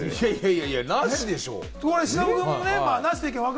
なしでしょ。